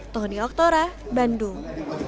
tony oktora bandung